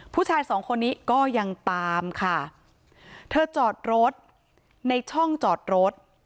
ผู้ชายสองคนนี้ก็ยังตามค่ะเธอจอดรถในช่องจอดรถ